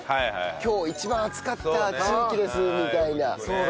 「今日一番暑かった地域です」みたいな。